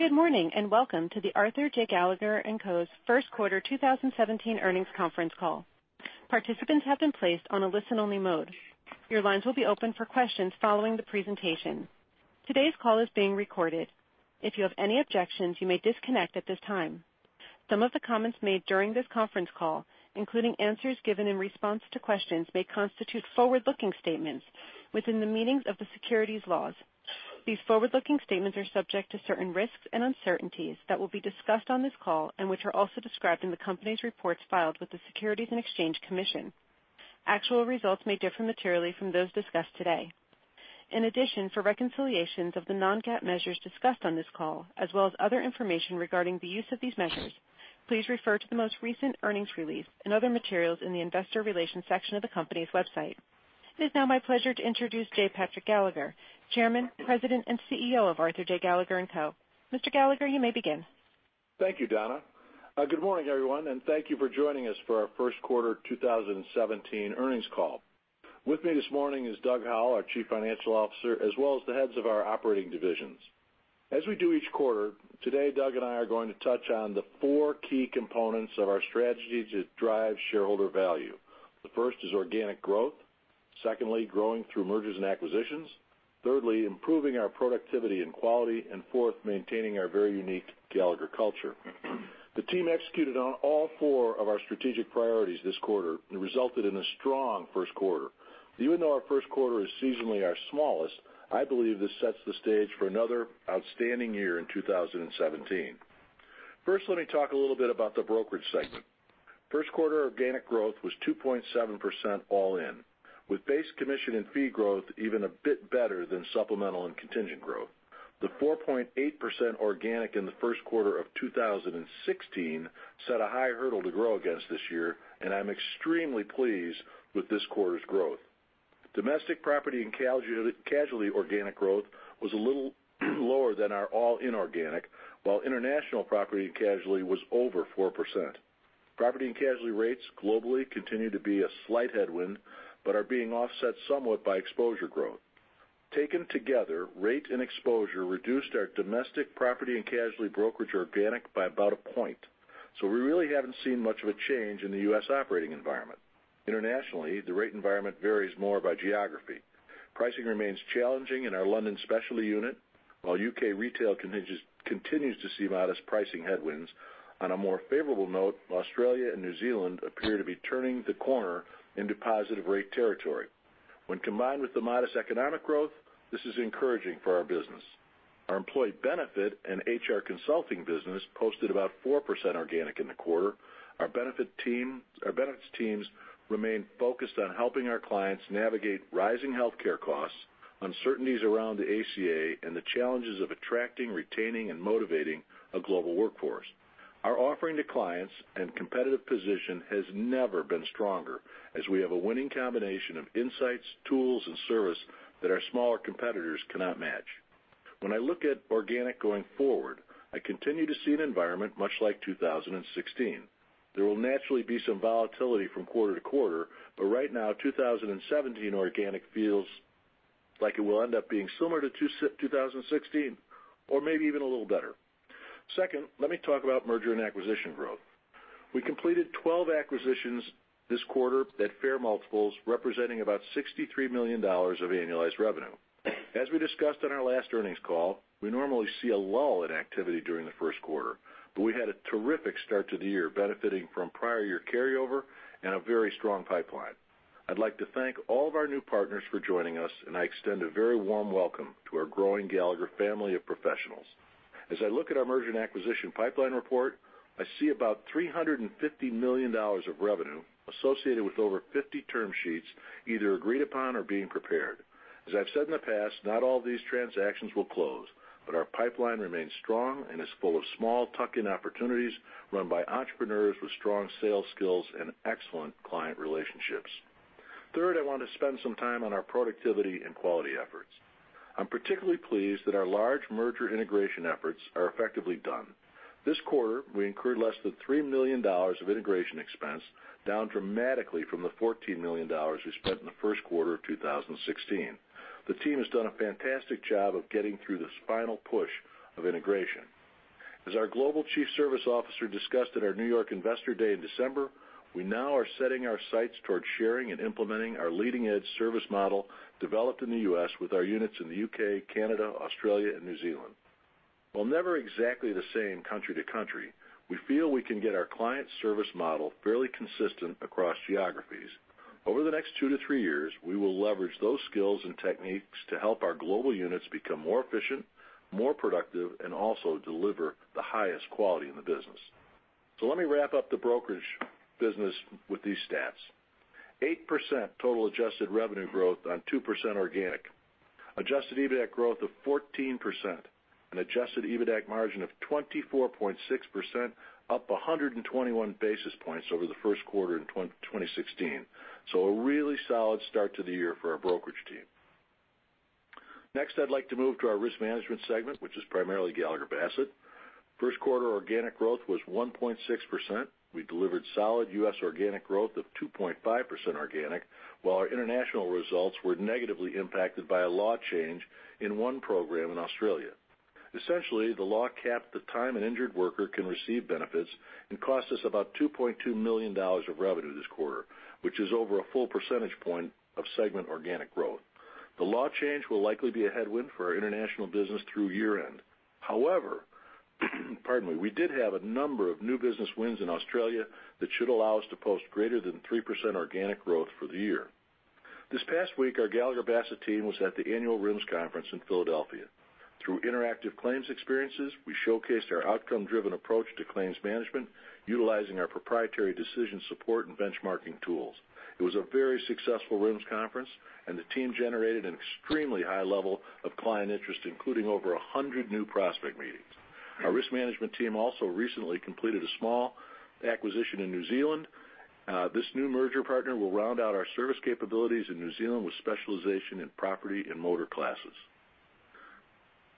Good morning, welcome to the Arthur J. Gallagher & Co.'s first quarter 2017 earnings conference call. Participants have been placed on a listen-only mode. Your lines will be open for questions following the presentation. Today's call is being recorded. If you have any objections, you may disconnect at this time. Some of the comments made during this conference call, including answers given in response to questions, may constitute forward-looking statements within the meanings of the securities laws. These forward-looking statements are subject to certain risks and uncertainties that will be discussed on this call and which are also described in the company's reports filed with the Securities and Exchange Commission. Actual results may differ materially from those discussed today. In addition, for reconciliations of the non-GAAP measures discussed on this call, as well as other information regarding the use of these measures, please refer to the most recent earnings release and other materials in the investor relations section of the company's website. It is now my pleasure to introduce J. Patrick Gallagher, Chairman, President, and CEO of Arthur J. Gallagher & Co. Mr. Gallagher, you may begin. Thank you, Donna. Good morning, everyone, thank you for joining us for our first quarter 2017 earnings call. With me this morning is Doug Howell, our Chief Financial Officer, as well as the heads of our operating divisions. As we do each quarter, today, Doug and I are going to touch on the four key components of our strategy to drive shareholder value. The first is organic growth. Secondly, growing through mergers and acquisitions. Thirdly, improving our productivity and quality, fourth, maintaining our very unique Gallagher culture. The team executed on all four of our strategic priorities this quarter and resulted in a strong first quarter. Even though our first quarter is seasonally our smallest, I believe this sets the stage for another outstanding year in 2017. Let me talk a little bit about the brokerage segment. First quarter organic growth was 2.7% all in, with base commission and fee growth even a bit better than supplemental and contingent growth. The 4.8% organic in the first quarter of 2016 set a high hurdle to grow against this year, I'm extremely pleased with this quarter's growth. Domestic property and casualty organic growth was a little lower than our all-in organic, while international property and casualty was over 4%. Property and casualty rates globally continue to be a slight headwind, are being offset somewhat by exposure growth. Taken together, rate and exposure reduced our domestic property and casualty brokerage organic by about a point. We really haven't seen much of a change in the U.S. operating environment. Internationally, the rate environment varies more by geography. Pricing remains challenging in our London specialty unit, while U.K. retail continues to see modest pricing headwinds. On a more favorable note, Australia and New Zealand appear to be turning the corner into positive rate territory. When combined with the modest economic growth, this is encouraging for our business. Our employee benefit and HR consulting business posted about 4% organic in the quarter. Our benefits teams remain focused on helping our clients navigate rising healthcare costs, uncertainties around the ACA, and the challenges of attracting, retaining, and motivating a global workforce. Our offering to clients and competitive position has never been stronger, as we have a winning combination of insights, tools, and service that our smaller competitors cannot match. When I look at organic going forward, I continue to see an environment much like 2016. There will naturally be some volatility from quarter to quarter, but right now, 2017 organic feels like it will end up being similar to 2016, or maybe even a little better. Second, let me talk about merger and acquisition growth. We completed 12 acquisitions this quarter at fair multiples, representing about $63 million of annualized revenue. As we discussed on our last earnings call, we normally see a lull in activity during the first quarter, but we had a terrific start to the year, benefiting from prior year carryover and a very strong pipeline. I'd like to thank all of our new partners for joining us, and I extend a very warm welcome to our growing Gallagher family of professionals. As I look at our merger and acquisition pipeline report, I see about $350 million of revenue associated with over 50 term sheets either agreed upon or being prepared. I've said in the past, not all these transactions will close, but our pipeline remains strong and is full of small tuck-in opportunities run by entrepreneurs with strong sales skills and excellent client relationships. Third, I want to spend some time on our productivity and quality efforts. I'm particularly pleased that our large merger integration efforts are effectively done. This quarter, we incurred less than $3 million of integration expense, down dramatically from the $14 million we spent in the first quarter of 2016. The team has done a fantastic job of getting through this final push of integration. Our Global Chief Service Officer discussed at our New York Investor Day in December, we now are setting our sights towards sharing and implementing our leading-edge service model developed in the U.S. with our units in the U.K., Canada, Australia, and New Zealand. While never exactly the same country to country, we feel we can get our client service model fairly consistent across geographies. Over the next two to three years, we will leverage those skills and techniques to help our global units become more efficient, more productive, and also deliver the highest quality in the business. Let me wrap up the brokerage business with these stats. 8% total adjusted revenue growth on 2% organic, adjusted EBITDAC growth of 14%, an adjusted EBITDAC margin of 24.6%, up 121 basis points over the first quarter in 2016. A really solid start to the year for our brokerage team. I'd like to move to our risk management segment, which is primarily Gallagher Bassett. First quarter organic growth was 1.6%. We delivered solid U.S. organic growth of 2.5%, while our international results were negatively impacted by a law change in one program in Australia. Essentially, the law capped the time an injured worker can receive benefits and cost us about $2.2 million of revenue this quarter, which is over a full percentage point of segment organic growth. The law change will likely be a headwind for our international business through year-end. We did have a number of new business wins in Australia that should allow us to post greater than 3% organic growth for the year. This past week, our Gallagher Bassett team was at the annual RIMS conference in Philadelphia. Through interactive claims experiences, we showcased our outcome-driven approach to claims management, utilizing our proprietary decision support and benchmarking tools. It was a very successful RIMS conference, the team generated an extremely high level of client interest, including over 100 new prospect meetings. Our risk management team also recently completed a small acquisition in New Zealand. This new merger partner will round out our service capabilities in New Zealand with specialization in property and motor classes.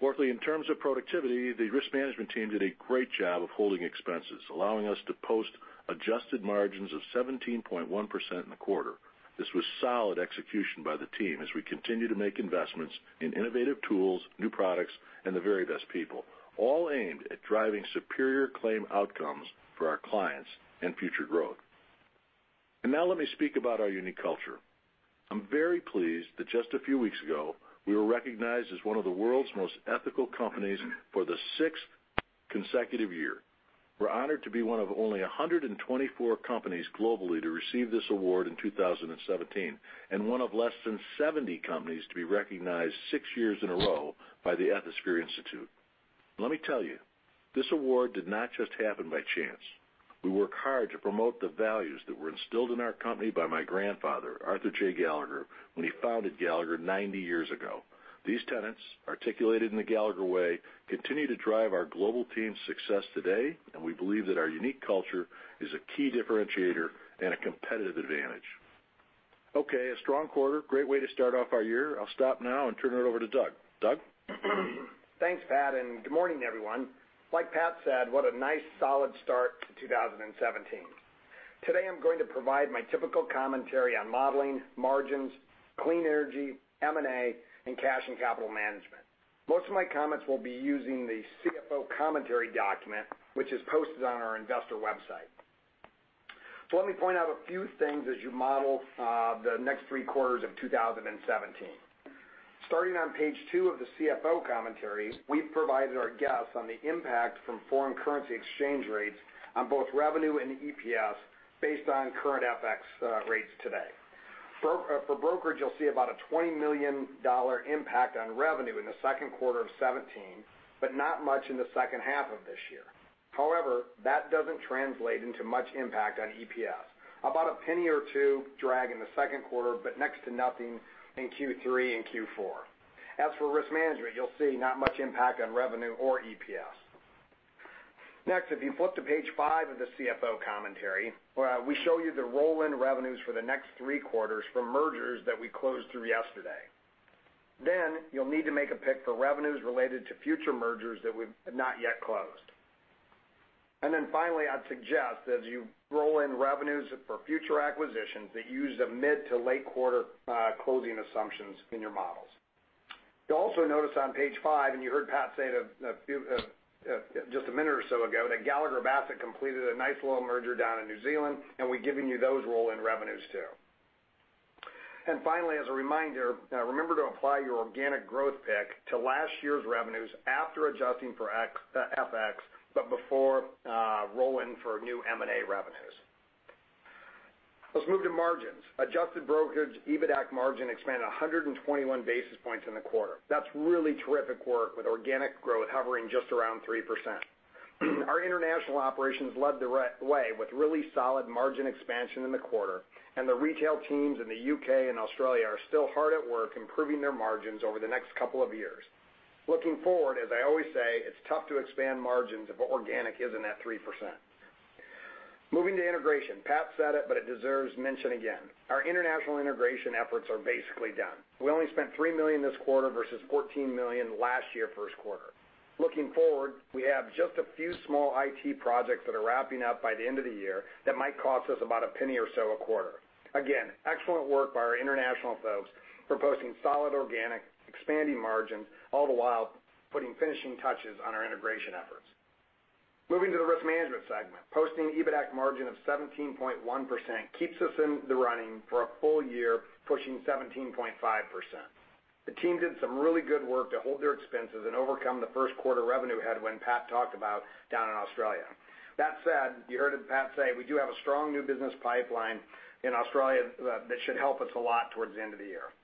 Fourthly, in terms of productivity, the risk management team did a great job of holding expenses, allowing us to post adjusted margins of 17.1% in the quarter. This was solid execution by the team as we continue to make investments in innovative tools, new products, and the very best people, all aimed at driving superior claim outcomes for our clients and future growth. Now let me speak about our unique culture. I'm very pleased that just a few weeks ago, we were recognized as one of the world's most ethical companies for the sixth consecutive year. We're honored to be one of only 124 companies globally to receive this award in 2017, and one of less than 70 companies to be recognized six years in a row by the Ethisphere Institute. Let me tell you, this award did not just happen by chance. We work hard to promote the values that were instilled in our company by my grandfather, Arthur J. Gallagher, when he founded Gallagher 90 years ago. These tenets, articulated in The Gallagher Way, continue to drive our global team's success today, we believe that our unique culture is a key differentiator and a competitive advantage. Okay, a strong quarter, great way to start off our year. I'll stop now and turn it over to Doug. Doug? Thanks, Pat, good morning, everyone. Like Pat said, what a nice solid start to 2017. Today, I'm going to provide my typical commentary on modeling, margins, clean energy, M&A, and cash and capital management. Most of my comments will be using the CFO Commentary document, which is posted on our investor website. Let me point out a few things as you model the next three quarters of 2017. Starting on page two of the CFO Commentary, we've provided our guess on the impact from foreign currency exchange rates on both revenue and EPS based on current FX rates today. For brokerage, you'll see about a $20 million impact on revenue in the second quarter of 2017, but not much in the second half of this year. That doesn't translate into much impact on EPS. About $0.01 or $0.02 drag in the second quarter, but next to nothing in Q3 and Q4. As for risk management, you'll see not much impact on revenue or EPS. Next, if you flip to page five of the CFO Commentary, we show you the roll-in revenues for the next three quarters for mergers that we closed through yesterday. You'll need to make a pick for revenues related to future mergers that we've not yet closed. Finally, I'd suggest that as you roll in revenues for future acquisitions, that you use the mid to late quarter closing assumptions in your models. You'll also notice on page five, and you heard Pat say just a minute or so ago, that Gallagher Bassett completed a nice little merger down in New Zealand, and we've given you those roll-in revenues, too. Finally, as a reminder, remember to apply your organic growth pick to last year's revenues after adjusting for FX, but before roll-in for new M&A revenues. Let's move to margins. Adjusted brokerage, EBITDAC margin expanded 121 basis points in the quarter. That's really terrific work with organic growth hovering just around 3%. Our international operations led the way with really solid margin expansion in the quarter, and the retail teams in the U.K. and Australia are still hard at work improving their margins over the next couple of years. Looking forward, as I always say, it's tough to expand margins if organic isn't at 3%. Moving to integration. Pat said it, but it deserves mention again. Our international integration efforts are basically done. We only spent $3 million this quarter versus $14 million last year first quarter. Looking forward, we have just a few small IT projects that are wrapping up by the end of the year that might cost us about $0.01 or so a quarter. Again, excellent work by our international folks for posting solid organic, expanding margins, all the while putting finishing touches on our integration efforts. Moving to the risk management segment. Posting EBITDAC margin of 17.1% keeps us in the running for a full year pushing 17.5%. The team did some really good work to hold their expenses and overcome the first quarter revenue headwind Pat talked about down in Australia. That said, you heard Pat say, we do have a strong new business pipeline in Australia that should help us a lot towards the end of the year.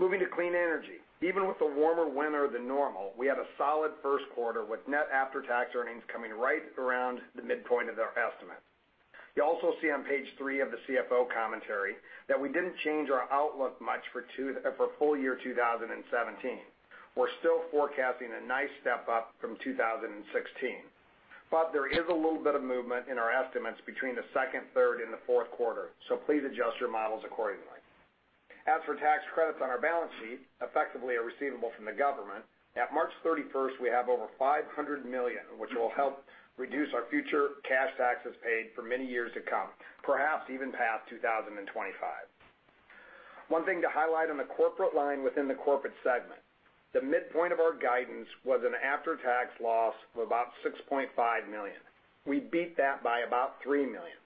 Moving to clean energy. Even with a warmer winter than normal, we had a solid first quarter with net after-tax earnings coming right around the midpoint of their estimate. You also see on page three of the CFO Commentary that we didn't change our outlook much for full year 2017. We're still forecasting a nice step up from 2016. There is a little bit of movement in our estimates between the second, third, and the fourth quarter, so please adjust your models accordingly. As for tax credits on our balance sheet, effectively are receivable from the government. At March 31st, we have over $500 million, which will help reduce our future cash taxes paid for many years to come, perhaps even past 2025. One thing to highlight on the corporate line within the corporate segment, the midpoint of our guidance was an after-tax loss of about $6.5 million. We beat that by about $3 million.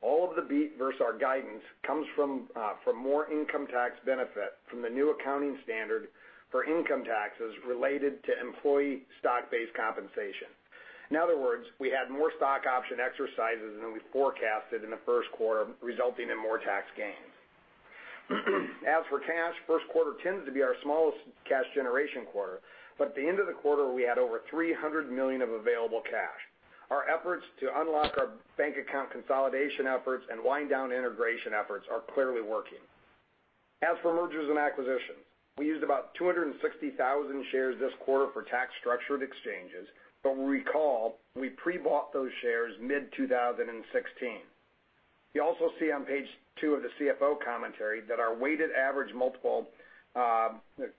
All of the beat versus our guidance comes from more income tax benefit from the new accounting standard for income taxes related to employee stock-based compensation. In other words, we had more stock option exercises than we forecasted in the first quarter, resulting in more tax gains. As for cash, first quarter tends to be our smallest cash generation quarter. At the end of the quarter, we had over $300 million of available cash. Our efforts to unlock our bank account consolidation efforts and wind down integration efforts are clearly working. As for mergers and acquisitions, we used about 260,000 shares this quarter for tax structured exchanges. Recall, we pre-bought those shares mid-2016. You also see on page two of the CFO Commentary that our weighted average multiple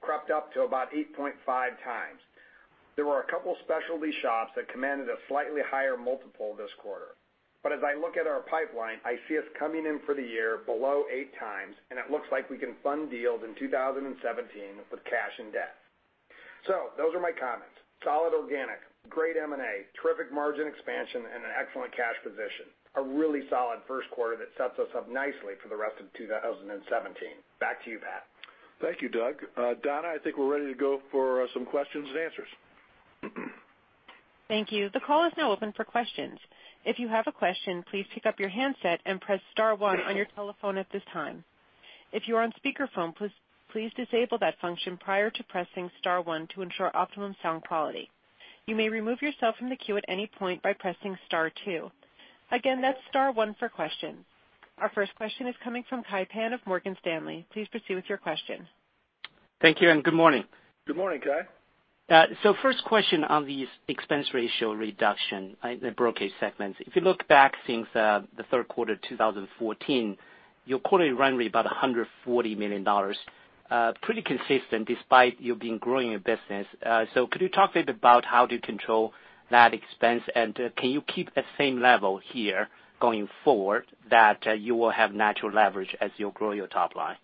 crept up to about 8.5 times. There were a couple specialty shops that commanded a slightly higher multiple this quarter. As I look at our pipeline, I see us coming in for the year below eight times, and it looks like we can fund deals in 2017 with cash and debt. Those are my comments. Solid organic, great M&A, terrific margin expansion, and an excellent cash position. A really solid first quarter that sets us up nicely for the rest of 2017. Back to you, Pat. Thank you, Doug. Donna, I think we're ready to go for some questions and answers. Thank you. The call is now open for questions. If you have a question, please pick up your handset and press star one on your telephone at this time. If you are on speakerphone, please disable that function prior to pressing star one to ensure optimum sound quality. You may remove yourself from the queue at any point by pressing star two. Again, that's star one for questions. Our first question is coming from Kai Pan of Morgan Stanley. Please proceed with your question. Thank you, and good morning. Good morning, Kai. First question on the expense ratio reduction in the brokerage segment. If you look back since the third quarter 2014, your quarterly run rate about $140 million. Pretty consistent despite you being growing your business. Could you talk a bit about how to control that expense? Can you keep the same level here going forward, that you will have natural leverage as you grow your top line?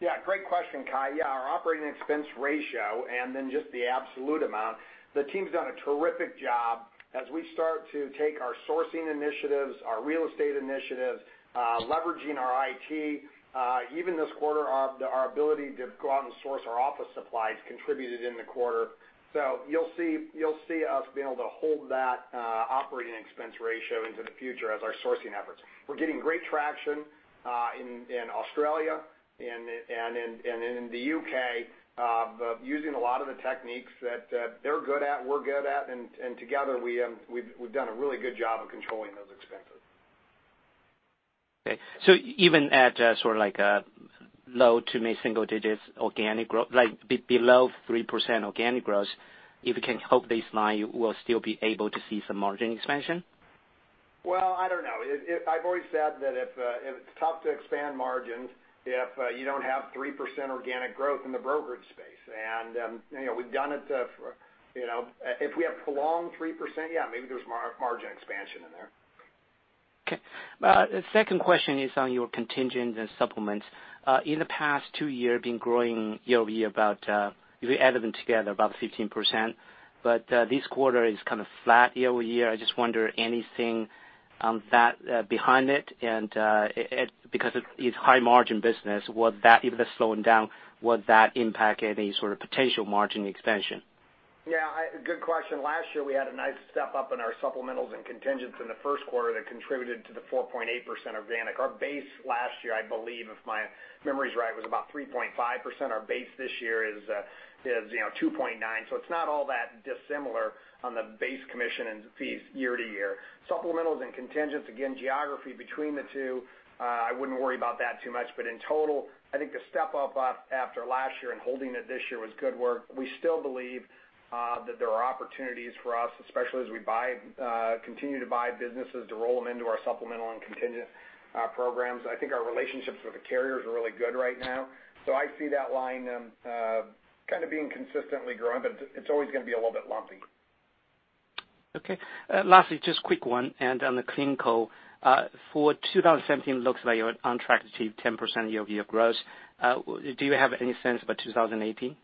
Yeah, great question, Kai. Yeah, our operating expense ratio and then just the absolute amount, the team's done a terrific job as we start to take our sourcing initiatives, our real estate initiatives, leveraging our IT. Even this quarter, our ability to go out and source our office supplies contributed in the quarter. You'll see us being able to hold that operating expense ratio into the future as our sourcing efforts. We're getting great traction in Australia and in the U.K., using a lot of the techniques that they're good at, we're good at, and together we've done a really good job of controlling those expenses. Okay. Even at sort of like a low to mid-single digits organic growth, like below 3% organic growth, if we can help baseline, we'll still be able to see some margin expansion? Well, I don't know. I've always said that it's tough to expand margins if you don't have 3% organic growth in the brokerage space. We've done it. If we have prolonged 3%, yeah, maybe there's margin expansion in there. Okay. Second question is on your contingent and supplements. In the past two year, been growing year-over-year about, if you add them together, about 15%, this quarter is kind of flat year-over-year. I just wonder anything on that behind it? Because it's high margin business, even the slowing down, would that impact any sort of potential margin expansion? Yeah, good question. Last year, we had a nice step-up in our supplementals and contingents in the first quarter that contributed to the 4.8% organic. Our base last year, I believe, if my memory's right, was about 3.5%. Our base this year is 2.9%. It's not all that dissimilar on the base commission and fees year-to-year. Supplementals and contingents, again, geography between the two, I wouldn't worry about that too much. In total, I think the step-up after last year and holding it this year was good work. We still believe that there are opportunities for us, especially as we continue to buy businesses to roll them into our supplemental and contingent programs. I think our relationships with the carriers are really good right now. I see that line kind of being consistently growing, but it's always going to be a little bit lumpy. Okay. Lastly, just quick one, and on the clean coal. For 2017, looks like you're on track to achieve 10% year-over-year growth. Do you have any sense about 2018?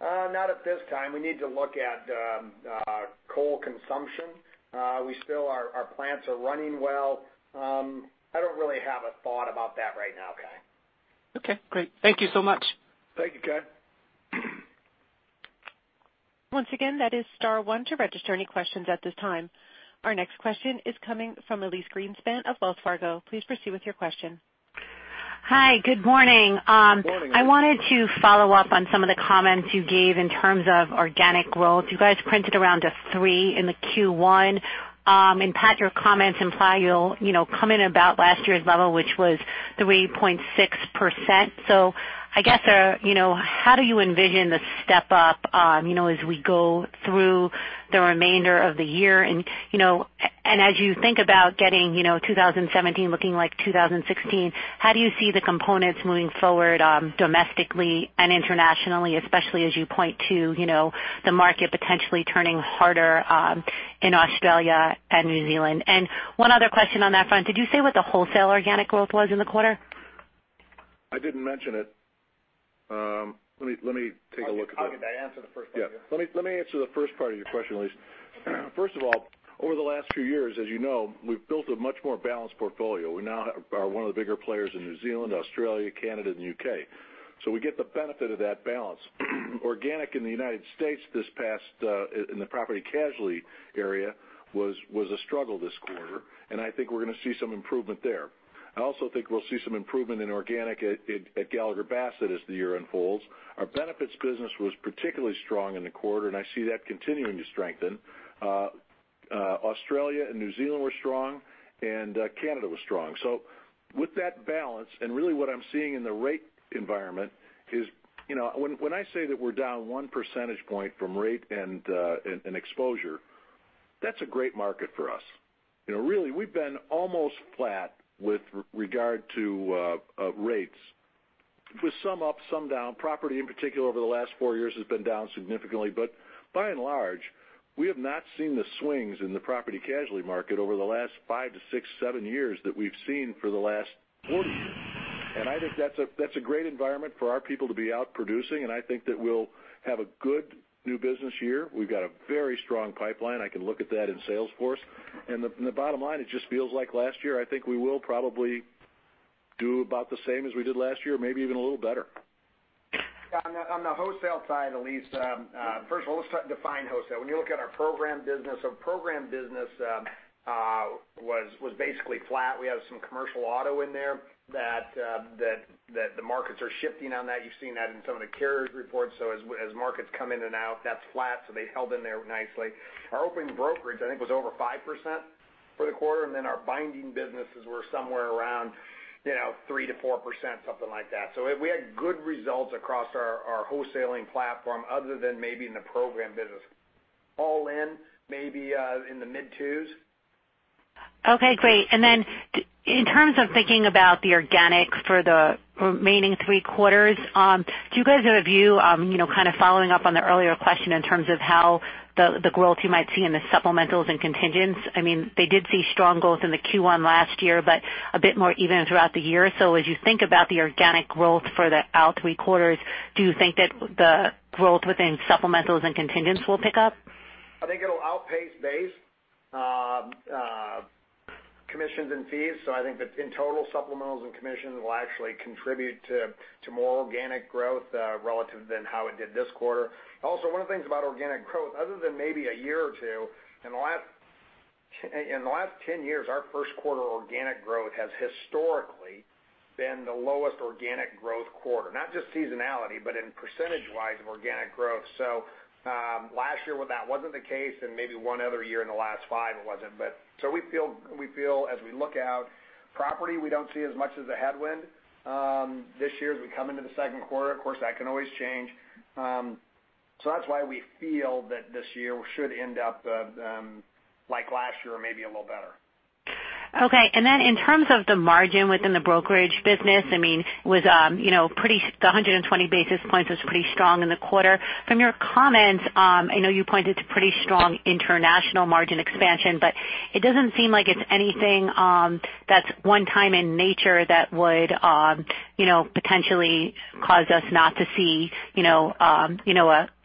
Not at this time. We need to look at coal consumption. Our plants are running well. I don't really have a thought about that right now, Kai. Okay, great. Thank you so much. Thank you, Kai. Once again, that is star one to register any questions at this time. Our next question is coming from Elyse Greenspan of Wells Fargo. Please proceed with your question. Hi, good morning. Good morning, Elyse. I wanted to follow up on some of the comments you gave in terms of organic growth. You guys printed around a three in the Q1. Pat, your comments imply you'll come in about last year's level, which was 3.6%. I guess, how do you envision the step-up as we go through the remainder of the year? As you think about getting 2017 looking like 2016, how do you see the components moving forward domestically and internationally, especially as you point to the market potentially turning harder in Australia and New Zealand? One other question on that front, did you say what the wholesale organic growth was in the quarter? I didn't mention it. Let me take a look at that. I'll answer the first part here. Yeah. Let me answer the first part of your question, Elyse. First of all, over the last few years, as you know, we've built a much more balanced portfolio. We now are one of the bigger players in New Zealand, Australia, Canada, and U.K. We get the benefit of that balance. Organic in the U.S. this past, in the property casualty area, was a struggle this quarter. I think we're going to see some improvement there. I also think we'll see some improvement in organic at Gallagher Bassett as the year unfolds. Our benefits business was particularly strong in the quarter. I see that continuing to strengthen. Australia and New Zealand were strong, Canada was strong. With that balance, and really what I'm seeing in the rate environment is when I say that we're down one percentage point from rate and exposure, that's a great market for us. Really, we've been almost flat with regard to rates, with some up, some down. Property in particular over the last four years has been down significantly. By and large, we have not seen the swings in the property casualty market over the last five to six, seven years that we've seen for the last 40 years. I think that's a great environment for our people to be out producing, and I think that we'll have a good new business year. We've got a very strong pipeline. I can look at that in Salesforce. The bottom line, it just feels like last year. I think we will probably do about the same as we did last year, maybe even a little better. Yeah. On the wholesale side, Elyse, first of all, let's define wholesale. When you look at our program business, our program business was basically flat. We have some commercial auto in there that the markets are shifting on that. You've seen that in some of the carrier's reports. As markets come in and out, that's flat, so they held in there nicely. Our open brokerage, I think, was over 5% for the quarter, then our binding businesses were somewhere around 3%-4%, something like that. We had good results across our wholesaling platform other than maybe in the program business. All in maybe in the mid 2s. Okay, great. In terms of thinking about the organic for the remaining three quarters, do you guys have a view, kind of following up on the earlier question in terms of how the growth you might see in the supplementals and contingents? They did see strong growth in the Q1 last year, but a bit more even throughout the year. As you think about the organic growth for the out three quarters, do you think that the growth within supplementals and contingents will pick up? I think it'll outpace base commissions and fees. I think that in total, supplementals and commissions will actually contribute to more organic growth relative than how it did this quarter. Also, one of the things about organic growth, other than maybe a year or two, in the last 10 years, our first quarter organic growth has historically been the lowest organic growth quarter. Not just seasonality, but in percentage-wise of organic growth. Last year that wasn't the case, and maybe one other year in the last five it wasn't. We feel as we look out, property we don't see as much as a headwind this year as we come into the second quarter. Of course, that can always change. That's why we feel that this year should end up like last year or maybe a little better. Okay. In terms of the margin within the brokerage business, the 120 basis points was pretty strong in the quarter. From your comments, I know you pointed to pretty strong international margin expansion, but it doesn't seem like it's anything that's one time in nature that would potentially cause us not to see a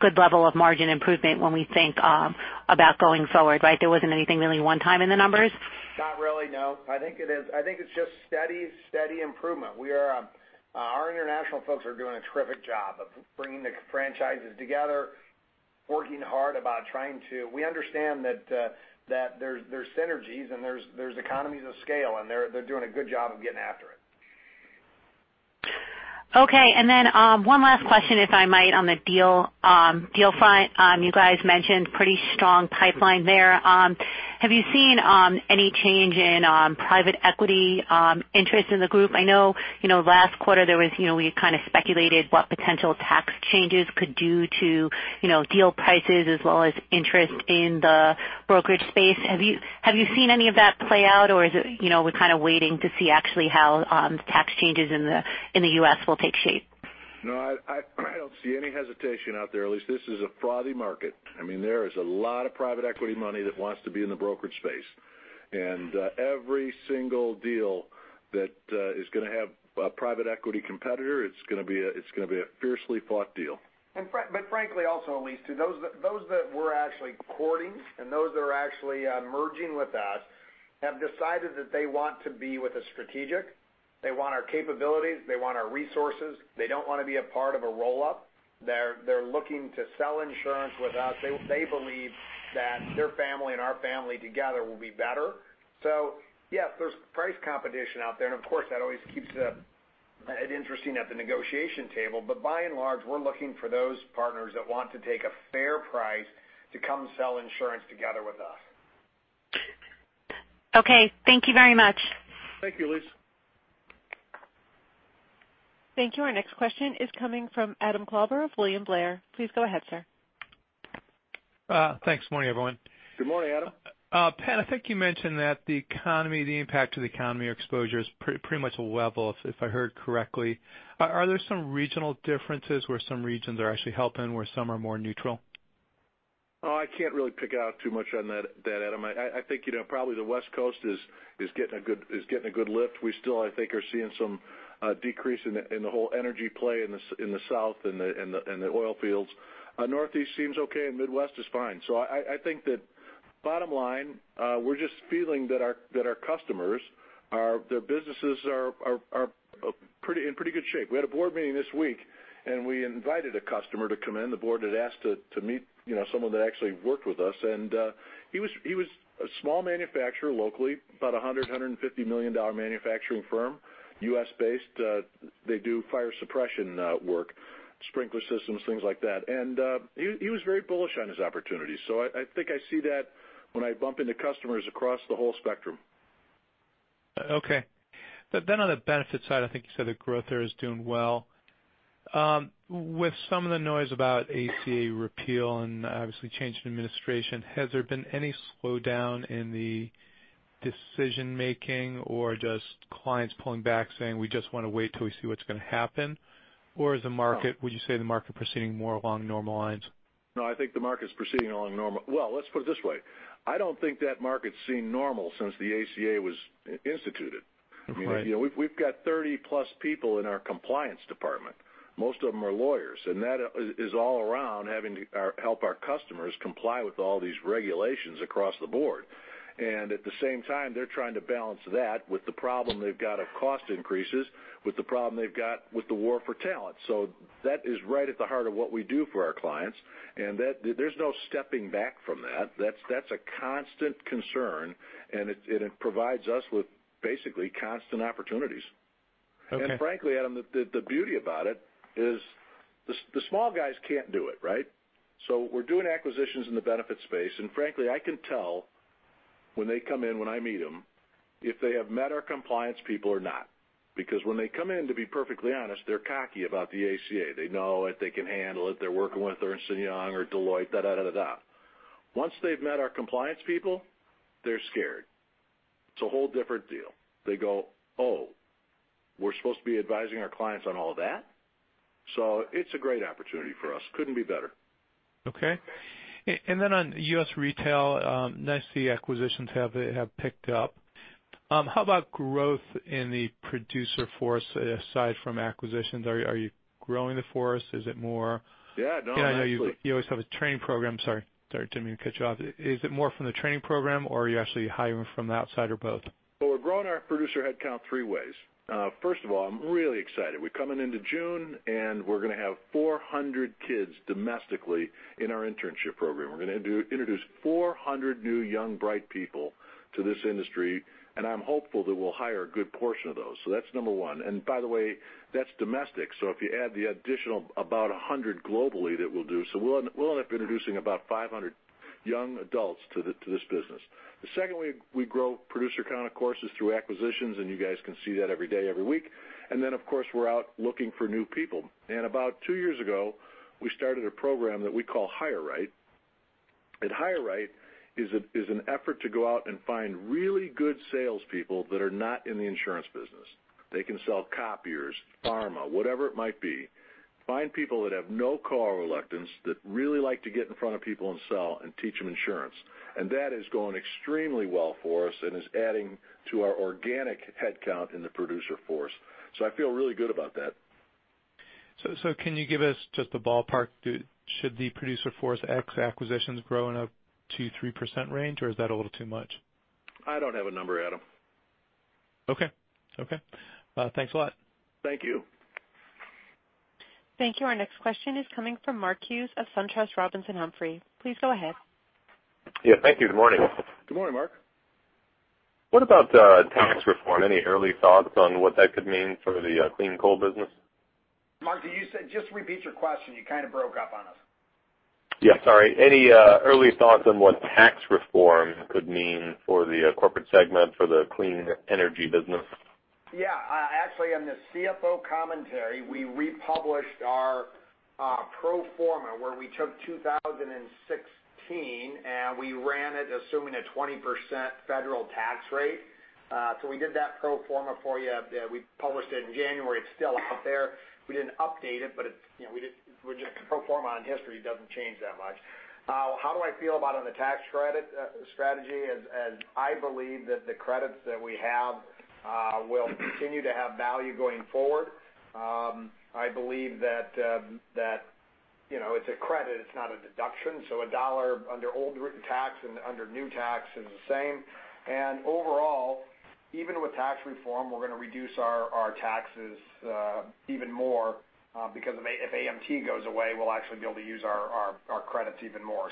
good level of margin improvement when we think about going forward, right? There wasn't anything really one time in the numbers? Not really, no. I think it's just steady improvement. Our international folks are doing a terrific job of bringing the franchises together, working hard about we understand that there's synergies and there's economies of scale, and they're doing a good job of getting after it. Okay. One last question, if I might, on the deal front. You guys mentioned pretty strong pipeline there. Have you seen any change in private equity interest in the group? I know last quarter we kind of speculated what potential tax changes could do to deal prices as well as interest in the brokerage space. Have you seen any of that play out, or are we kind of waiting to see actually how tax changes in the U.S. will take shape? No, I don't see any hesitation out there, Elyse. This is a frothy market. There is a lot of private equity money that wants to be in the brokerage space. Every single deal that is going to have a private equity competitor, it's going to be a fiercely fought deal. Frankly also, Elyse, to those that we're actually courting and those that are actually merging with us have decided that they want to be with a strategic. They want our capabilities. They want our resources. They don't want to be a part of a roll-up. They're looking to sell insurance with us. They believe that their family and our family together will be better. Yes, there's price competition out there, and of course, that always keeps it interesting at the negotiation table. By and large, we're looking for those partners that want to take a fair price to come sell insurance together with us. Okay. Thank you very much. Thank you, Elise. Thank you. Our next question is coming from Adam Klauber of William Blair. Please go ahead, sir. Thanks. Morning, everyone. Good morning, Adam. Pat, I think you mentioned that the impact to the economy or exposure is pretty much level, if I heard correctly. Are there some regional differences where some regions are actually helping, where some are more neutral? Oh, I can't really pick out too much on that, Adam. I think probably the West Coast is getting a good lift. We still, I think, are seeing some decrease in the whole energy play in the South in the oil fields. Northeast seems okay and Midwest is fine. I think that bottom line, we're just feeling that our customers, their businesses are in pretty good shape. We had a board meeting this week, and we invited a customer to come in. The board had asked to meet someone that actually worked with us, and he was a small manufacturer locally, about $100, $150 million manufacturing firm, U.S.-based. They do fire suppression work, sprinkler systems, things like that. He was very bullish on his opportunities. I think I see that when I bump into customers across the whole spectrum. Okay. On the benefits side, I think you said the growth there is doing well. With some of the noise about ACA repeal and obviously change in administration, has there been any slowdown in the decision making or just clients pulling back saying, "We just want to wait till we see what's going to happen"? Would you say the market proceeding more along normal lines? No, I think the market's proceeding along normal. Well, let's put it this way. I don't think that market's seen normal since the ACA was instituted. Right. We've got 30-plus people in our compliance department. Most of them are lawyers, that is all around having to help our customers comply with all these regulations across the board. At the same time, they're trying to balance that with the problem they've got of cost increases, with the problem they've got with the war for talent. That is right at the heart of what we do for our clients, and there's no stepping back from that. That's a constant concern, and it provides us with basically constant opportunities. Okay. Frankly, Adam, the beauty about it is the small guys can't do it, right? We're doing acquisitions in the benefits space, and frankly, I can tell when they come in, when I meet them, if they have met our compliance people or not. Because when they come in, to be perfectly honest, they're cocky about the ACA. They know it, they can handle it. They're working with Ernst & Young or Deloitte. Once they've met our compliance people, they're scared. It's a whole different deal. They go, "Oh, we're supposed to be advising our clients on all of that?" It's a great opportunity for us. Couldn't be better. Okay. On U.S. retail, nice, the acquisitions have picked up. How about growth in the producer force aside from acquisitions? Are you growing the force? Is it more? Yeah, no, absolutely I know you always have a training program. Sorry, didn't mean to cut you off. Is it more from the training program, or are you actually hiring from the outside, or both? Well, we're growing our producer headcount three ways. First of all, I'm really excited. We're coming into June, and we're going to have 400 kids domestically in our internship program. We're going to introduce 400 new young, bright people to this industry, and I'm hopeful that we'll hire a good portion of those. That's number one. By the way, that's domestic. If you add the additional about 100 globally that we'll do. We'll end up introducing about 500 young adults to this business. The second way we grow producer count, of course, is through acquisitions, and you guys can see that every day, every week. Of course, we're out looking for new people. About two years ago, we started a program that we call HireRight. HireRight is an effort to go out and find really good salespeople that are not in the insurance business. They can sell copiers, pharma, whatever it might be. Find people that have no car reluctance, that really like to get in front of people and sell and teach them insurance. That has gone extremely well for us and is adding to our organic headcount in the producer force. I feel really good about that. Can you give us just a ballpark? Should the producer force acquisitions grow in a 2%-3% range, or is that a little too much? I don't have a number, Adam. Okay. Thanks a lot. Thank you. Thank you. Our next question is coming from Mark Hughes of SunTrust Robinson Humphrey. Please go ahead. Yeah, thank you. Good morning. Good morning, Mark. What about tax reform? Any early thoughts on what that could mean for the Clean Coal business? Mark, just repeat your question. You kind of broke up on us. Yeah, sorry. Any early thoughts on what tax reform could mean for the corporate segment, for the Clean Energy business? Yeah. Actually, on the CFO Commentary, we republished our pro forma where we took 2016 and we ran it assuming a 20% federal tax rate. We did that pro forma for you. We published it in January. It's still out there. We didn't update it, but the pro forma on history doesn't change that much. How do I feel about on the tax credit strategy? I believe that the credits that we have will continue to have value going forward. I believe that it's a credit, it's not a deduction. A dollar under old written tax and under new tax is the same. Overall, even with tax reform, we're going to reduce our taxes even more because if AMT goes away, we'll actually be able to use our credits even more.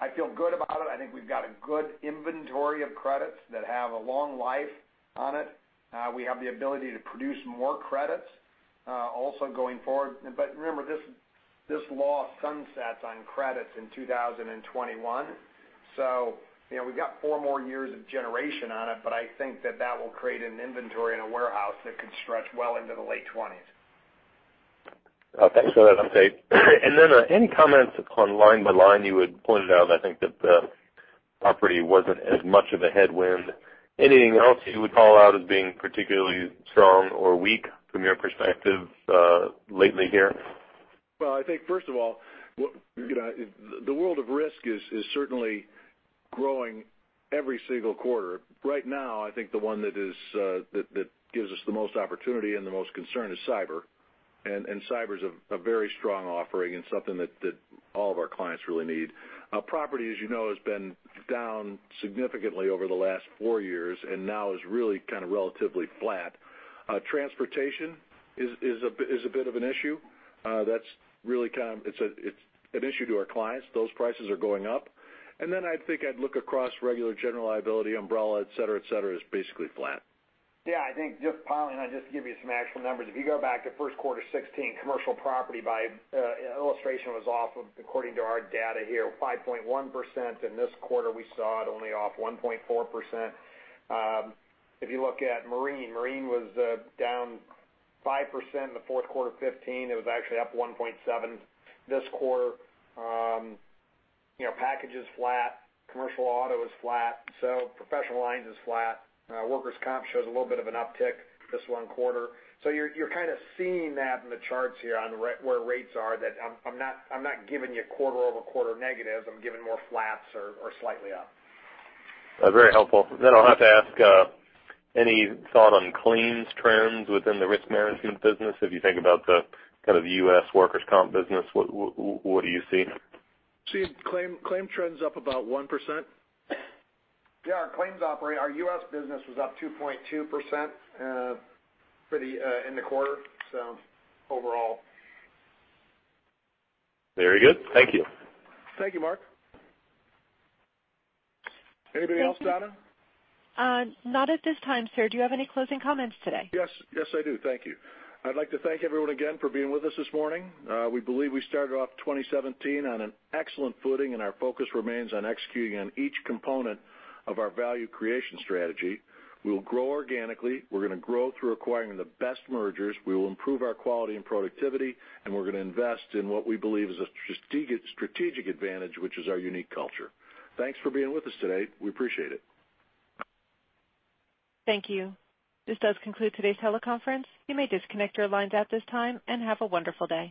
I feel good about it. I think we've got a good inventory of credits that have a long life on it. We have the ability to produce more credits also going forward. Remember, this law sunsets on credits in 2021. We've got four more years of generation on it, but I think that that will create an inventory and a warehouse that could stretch well into the late '20s. Okay. That's safe. Any comments on line by line? You had pointed out, I think that the Property wasn't as much of a headwind. Anything else you would call out as being particularly strong or weak from your perspective lately here? I think first of all, the world of risk is certainly growing every single quarter. Right now, I think the one that gives us the most opportunity and the most concern is cyber. Cyber's a very strong offering and something that all of our clients really need. Property, as you know, has been down significantly over the last four years and now is really kind of relatively flat. Transportation is a bit of an issue. It's an issue to our clients. Those prices are going up. I think I'd look across regular general liability, umbrella, et cetera, is basically flat. I think just piling on, just to give you some actual numbers. If you go back to first quarter 2016, commercial property by illustration was off, according to our data here, 5.1%, and this quarter, we saw it only off 1.4%. If you look at marine was down 5% in the fourth quarter of 2015. It was actually up 1.7% this quarter. Package is flat. Commercial auto is flat. Professional lines is flat. Workers' comp shows a little bit of an uptick this one quarter. You're kind of seeing that in the charts here on where rates are that I'm not giving you quarter-over-quarter negative. I'm giving more flats or slightly up. Very helpful. I'll have to ask, any thought on claims trends within the risk management business? If you think about the kind of U.S. workers' comp business, what do you see? See claim trends up about 1%. Yeah, our U.S. business was up 2.2% in the quarter, so overall. Very good. Thank you. Thank you, Mark. Anybody else, Donna? Not at this time, sir. Do you have any closing comments today? Yes, I do. Thank you. I'd like to thank everyone again for being with us this morning. We believe we started off 2017 on an excellent footing, and our focus remains on executing on each component of our value creation strategy. We will grow organically. We're going to grow through acquiring the best mergers. We will improve our quality and productivity, and we're going to invest in what we believe is a strategic advantage, which is our unique culture. Thanks for being with us today. We appreciate it. Thank you. This does conclude today's teleconference. You may disconnect your lines at this time, and have a wonderful day.